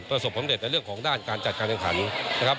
ประสบทฤษในเรื่องของด้านการจัดการการการ